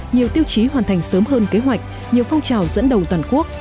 nhiều tiêu chí hoàn thành sớm hơn kế hoạch nhiều phong trào dẫn đầu toàn quốc